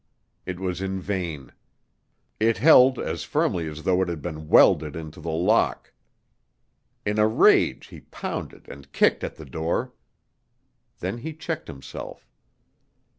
It was in vain; it held as firmly as though it had been welded into the lock. In a rage he pounded and kicked at the door. Then he checked himself.